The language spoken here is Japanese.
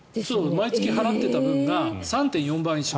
毎月払ってた分が３．４倍になる。